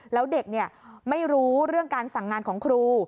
แล้วเด็กไม่รู้เรื่องการสั่งงานของครู